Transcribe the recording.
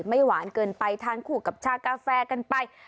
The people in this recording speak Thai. หวานเกินไปทานคู่กับชากาแฟกันไป